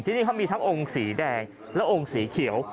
ที่นี่เขามีทั้งองค์สีแดงและองค์สีเขียว